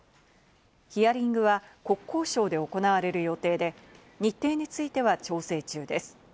ヒアリングは国交省で行われる予定で、日程については調整中です。